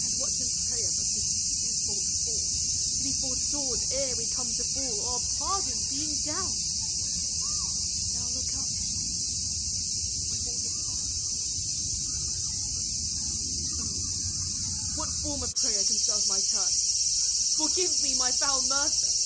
And what 's in prayer but this twofold force, To be forestalled ere we come to fall. Or pardoned being down? Then I '11 look up; My fault is past. But, O, what form of prayer Can serve my turn? " Forgive me my foul mur der?"